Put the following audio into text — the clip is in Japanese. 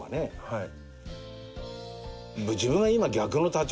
はい。